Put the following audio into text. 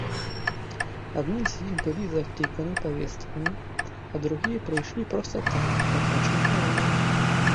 Адны з іх былі закліканы павесткамі, а другія прыйшлі проста так, каб пачуць навіны.